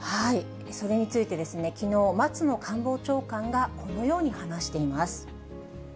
それについて、きのう、松野官房長官がこのように話しています。